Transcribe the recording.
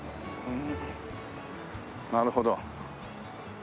なるほど。